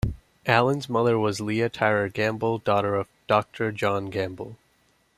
Allan's mother was Leah Tyrer Gamble, daughter of Doctor John Gamble.